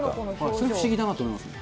それ、不思議だなと思いますね。